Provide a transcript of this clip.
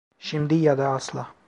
Şimdi ya da asla.